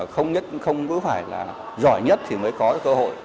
không nhất cũng không phải là giỏi nhất thì mới có cơ hội